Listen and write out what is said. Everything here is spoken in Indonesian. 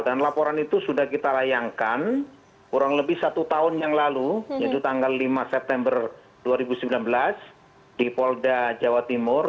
dan laporan itu sudah kita layangkan kurang lebih satu tahun yang lalu yaitu tanggal lima september dua ribu sembilan belas di polda jawa timur